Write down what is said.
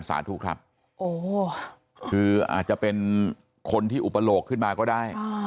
สาธุครับโอ้โหคืออาจจะเป็นคนที่อุปโลกขึ้นมาก็ได้